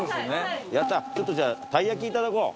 やったちょっとじゃあたい焼きいただこう。